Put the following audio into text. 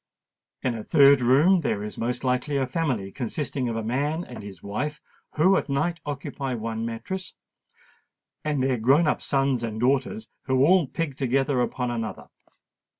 In a third room there is most likely a family consisting of a man and his wife, who at night occupy one mattress, and their grown up sons and daughters who all pig together upon another.